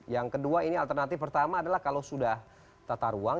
yang kedua ini alternatif pertama adalah kalau sudah tata ruang